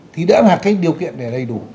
thì đã là cái điều kiện để đầy đủ